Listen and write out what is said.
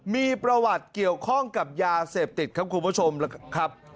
มีประวัติเกี่ยวข้องกับยาเสพติดครับคุณผู้ชมครับ